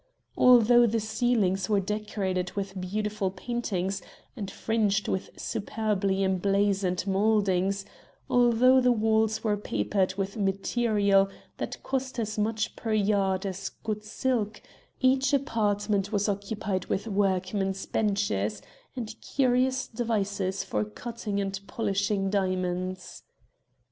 Although the ceilings were decorated with beautiful paintings and fringed with superbly emblazoned mouldings, although the walls were papered with material that cost as much per yard as good silk, each apartment was occupied with workmen's benches, and curious devices for cutting and polishing diamonds.